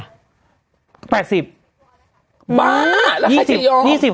บ้าแล้วใครจะยอม